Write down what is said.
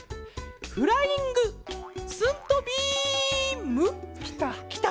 フライング・スントビーム？きた。